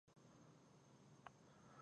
خلک په غټ تکليف کښې دے ـ